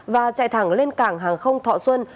và chạy thẳng lên cảng hàng không thọ xuân